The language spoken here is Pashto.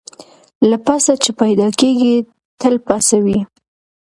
له پسه چي پیدا کیږي تل پسه وي